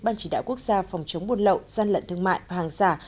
ban chỉ đạo quốc gia phòng chống buôn lậu gian lận thương mại và hàng giả